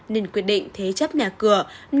nên quyết định thế chấp nhà khách